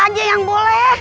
yang kudonya yang jatuh